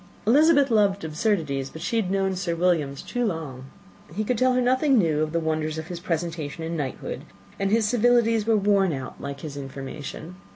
Elizabeth loved absurdities, but she had known Sir William's too long. He could tell her nothing new of the wonders of his presentation and knighthood; and his civilities were worn out, like his information.